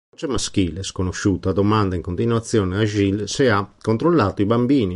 Una voce maschile sconosciuta domanda in continuazione a Jill se ha controllato i bambini.